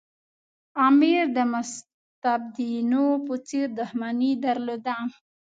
امیر د مستبدینو په څېر دښمني درلوده.